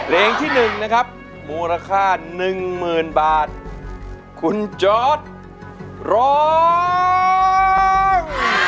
เพลงที่หนึ่งนะครับมูลค่าหนึ่งหมื่นบาทคุณจอร์ดร้อง